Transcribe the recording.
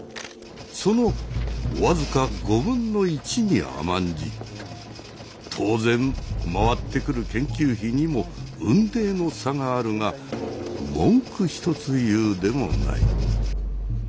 その僅か５分の１に甘んじ当然回ってくる研究費にも雲泥の差があるが文句一つ言うでもない。